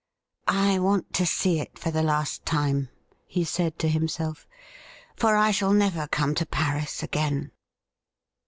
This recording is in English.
' I want to see it for the last time,' he said to himself, ' for I shall never come to Paris again.'